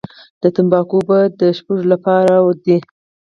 د تنباکو اوبه د سپږو لپاره دي؟